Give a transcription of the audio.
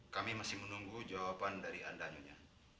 kami masih menunggu jawaban dari anda nyonya